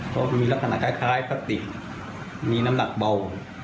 เพราะมีลักษณะคล้ายพลาสติกมีน้ำหนักเบา